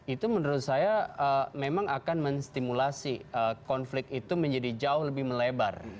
itu menurut saya memang akan menstimulasi konflik itu menjadi jauh lebih melebar